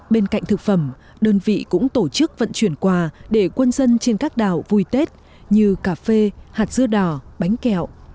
bên cạnh thực phẩm đơn vị cũng tổ chức vận chuyển quà để quân dân trên các đảo vui tết như cà phê hạt dưa đỏ bánh kẹo